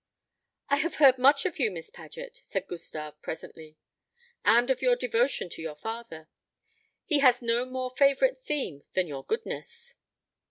"I have heard much of you, Miss Paget," said Gustave presently, "and of your devotion to your father. He has no more favourite theme than your goodness."